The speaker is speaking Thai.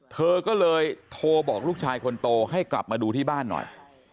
เธอก็เลยโทรบอกลูกชายคนโตให้กลับมาดูที่บ้านหน่อย